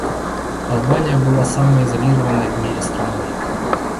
Албания была самой изолированной в мире страной.